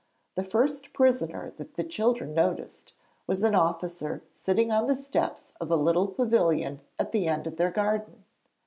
The first prisoner that the children noticed was an officer sitting on the steps of a little pavilion at the end of their garden.